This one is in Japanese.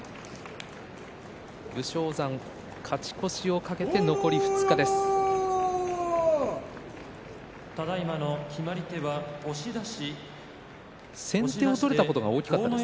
武将山、勝ち越しをかけて残り２日になります。